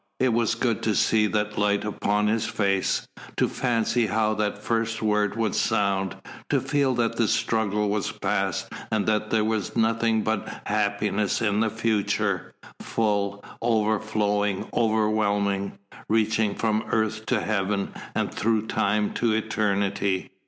It was good to see that light upon his face, to fancy how that first word would sound, to feel that the struggle was past and that there was nothing but happiness in the future, full, overflowing, overwhelming, reaching from earth to heaven and through time to eternity.